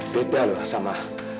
beda loh sama